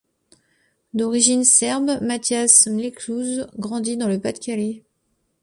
D'origine serbe, Mathias Mlekuz grandit dans le Pas-de-Calais.